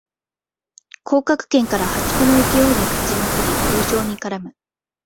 降格圏から破竹の勢いで勝ちまくり優勝に絡む